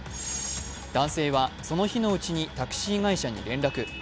男性はその日のうちにタクシー会社に連絡。